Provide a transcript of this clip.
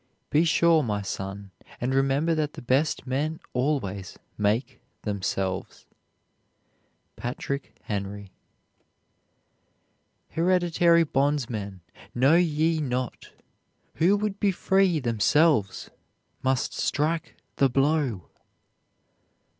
Be sure, my son, and remember that the best men always make themselves. PATRICK HENRY. Hereditary bondsmen, know ye not Who would be free themselves must strike the blow?